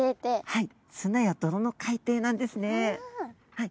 はい。